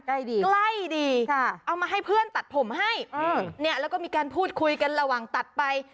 ใกล้ดีเอามาให้เพื่อนตัดผมให้เนี่ยแล้วก็มีการพูดคุยกันระหว่างตัดไป